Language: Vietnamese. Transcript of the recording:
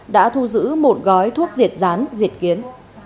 đã thu giữ một gói thuốc diệt rán diệt kiến